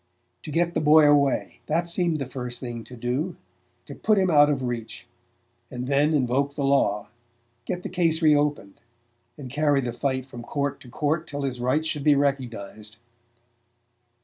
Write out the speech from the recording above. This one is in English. To get the boy away that seemed the first thing to do: to put him out of reach, and then invoke the law, get the case re opened, and carry the fight from court to court till his rights should be recognized.